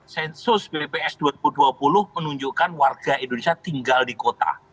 sensus bps dua ribu dua puluh menunjukkan warga indonesia tinggal di kota